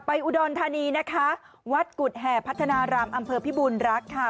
อุดรธานีนะคะวัดกุฎแห่พัฒนารามอำเภอพิบูรณรักค่ะ